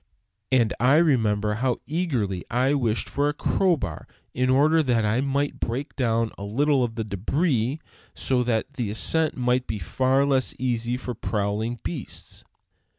And I remember how eagerly I wished for a crowbar in order that I might break down a little of the débris, so that the ascent might be less easy for prowling beasts.